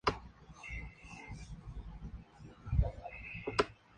Estas termas se caracterizan por el uso de elementos de lujo como los mármoles.